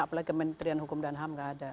apalagi kementerian hukum dan ham nggak ada